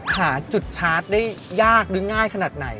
หาจุดชาร์จได้ยากหรือง่ายขนาดไหน